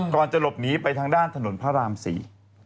ก่อนจะหลบหนีไปทางด้านถนนพระรามสี่